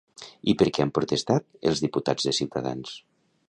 I per què han protestat els diputats de Ciutadans?